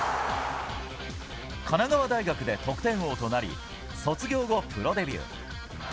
神奈川大学で得点王となり、卒業後、プロデビュー。